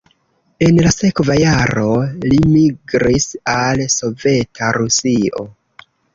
En la sekva jaro li migris al Soveta Rusio.